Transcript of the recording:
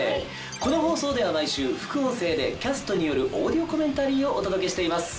この放送では毎週副音声でキャストによるオーディオコメンタリーをお届けしています。